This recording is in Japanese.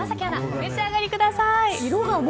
お召し上がりください。